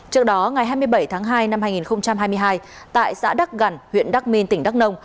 trước đó ngày hai mươi bảy tháng hai năm hai nghìn hai mươi hai tại xã đắk gần huyện đắk minh tỉnh đắk nông